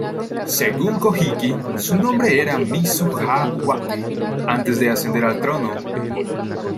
Según el Kojiki, su nombre era "Mizu-ha-wake" antes de ascender al trono.